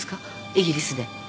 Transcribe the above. イギリスで。